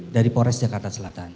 dari polres jakarta selatan